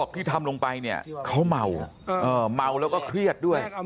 ในมุมพี่คิดว่าแกน่าจะไปทำอะไรผิดทำอะไร